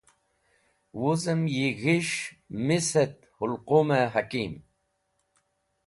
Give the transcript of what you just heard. Wuzem yi G̃his̃h, Mis, et Hulqume Hakeem